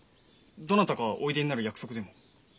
どなたかおいでになる約束でも？